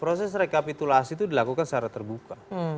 proses rekapitulasi itu dilakukan secara terbuka